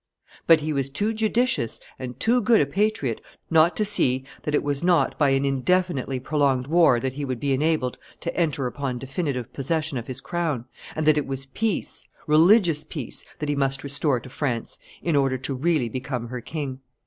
But he was too judicious and too good a patriot not to see that it was not by an indefinitely prolonged war that he would be enabled to enter upon definitive possession of his crown, and that it was peace, religious peace, that he must restore to France in order to really become her king.